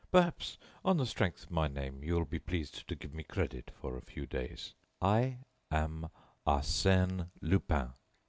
Perhaps, on the strength of my name, you will be pleased to give me credit for a few days. I am Arsène Lupin."